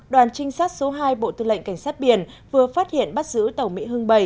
đoàn trinh sát số hai bộ tư lệnh cảnh sát biển vừa phát hiện bắt giữ tàu mỹ hưng bảy